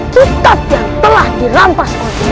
kitab yang telah dirampas oleh pemerintah